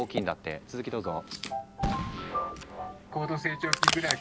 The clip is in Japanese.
続きどうぞ。